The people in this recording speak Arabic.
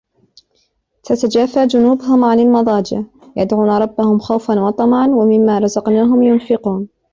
تتجافى جنوبهم عن المضاجع يدعون ربهم خوفا وطمعا ومما رزقناهم ينفقون